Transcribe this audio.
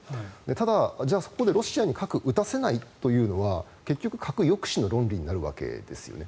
ただ、そこでロシアに核を撃たせないというのは結局核の抑止という論理になるわけですよね。